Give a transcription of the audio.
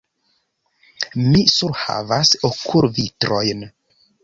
Mi surhavas okulvitrojn.